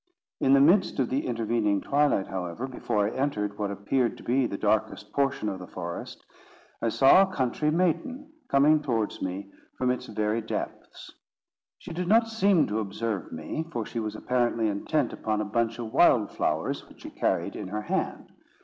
In the midst of the intervening twilight, however, before I entered what appeared to be the darkest portion of the forest, I saw a country maiden coming towards me from its very depths. She did not seem to observe me, for she was apparently intent upon a bunch of wild flowers which she carried in her hand.